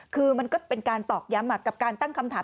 ก็เป็นการต่อกย้ำกับการตั้งคำถาม